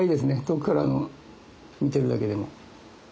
遠くから見てるだけでも。